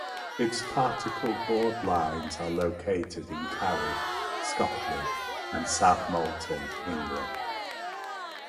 Its particleboard lines are located in Cowie, Scotland and South Molton, England.